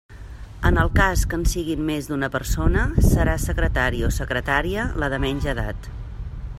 En el cas que en siguin més d'una persona, serà secretari o secretària la de menys edat.